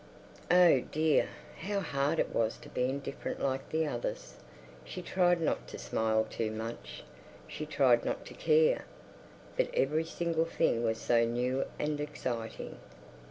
Oh dear, how hard it was to be indifferent like the others! She tried not to smile too much; she tried not to care. But every single thing was so new and exciting...